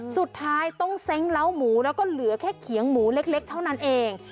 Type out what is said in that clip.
สุดท้ายต้องเซ้งเล้าหมูแล้วก็เหลือแค่เขียงหมูเล็กเท่านั้นเอง